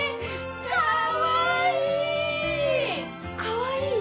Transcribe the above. かわいい？